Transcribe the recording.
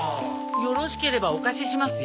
よろしければお貸ししますよ。